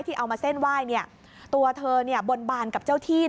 ที่เอามาเส้นไหว้นี่